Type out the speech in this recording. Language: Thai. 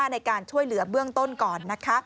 ในการช่วยเหลือเบื้องต้นก่อน